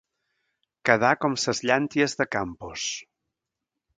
Quedar com ses llànties de Campos.